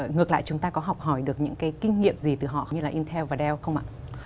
ngược lại chúng ta có học hỏi được những cái kinh nghiệm gì từ họ như là intel và đeo không ạ